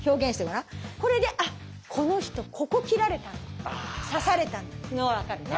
これで「あこの人ここ斬られたんだ刺された」のが分かるね。